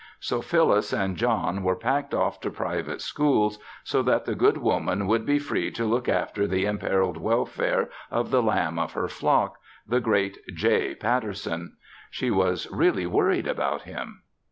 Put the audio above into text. So Phyllis and John were packed off to private schools so that the good woman would be free to look after the imperiled welfare of the lamb of her flock the great J. Patterson. She was really worried about him.